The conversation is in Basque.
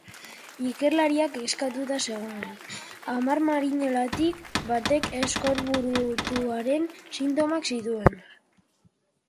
Ikerlaria kezkatuta zegoen hamar marineletik batek eskorbutuaren sintomak zituelako.